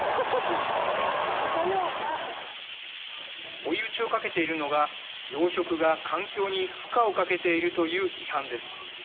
追い打ちをかけているのが養殖が環境に負荷をかけているという批判です。